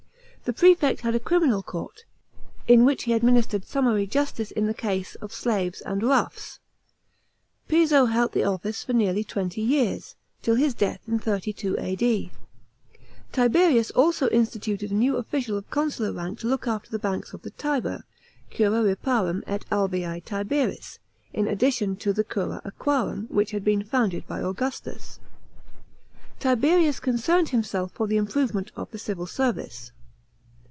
The prefect had a criminal court, in which he administered summary justice in the case of slaves and " roughs." Piso held the office for nearly twenty years, till his death in 32 A.D. Tiberius also instituted a new official of consular rank to look after the banks of the Tiber, euro, riparum et alvei Tiberis, in addition to the cura aquurum which had been founded by Augustus. § 3. Tiberius concerned himself for the improvement of the civil service.